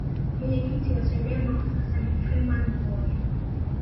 mwenyekiti wa chadema kwa sasa ni freeman mbowe